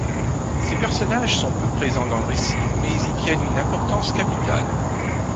Ces personnages sont peu présents dans le récit mais y tiennent une importance capitale.